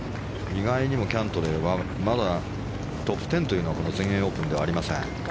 意外にもキャントレーはまだトップ１０というのはこの全英オープンはありません。